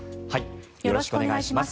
よろしくお願いします。